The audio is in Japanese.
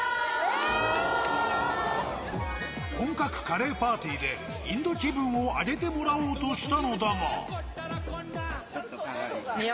本格カレーパーティーで、インド気分を上げてもらおうとしたのだが。